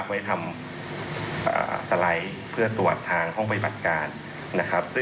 ไว้ทำสไลด์เพื่อตรวจทางห้องปฏิบัติการนะครับ